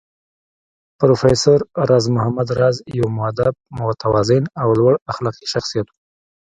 پروفېسر راز محمد راز يو مودب، متوازن او لوړ اخلاقي شخصيت و